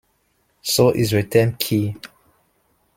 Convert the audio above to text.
So is the term "key".